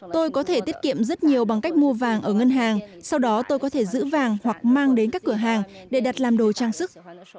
tôi có thể tiết kiệm rất nhiều bằng cách mua vàng ở ngân hàng sau đó tôi có thể giữ vàng hoặc mang đến các cửa hàng để đặt làm đồ trang sức